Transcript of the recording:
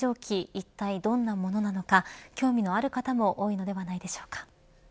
いったいどんなものなのか興味のある方も多いのではないでしょうか。